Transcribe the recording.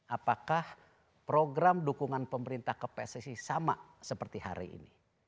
apakah program dukungan pemerintah ke pssi sama seperti hari ini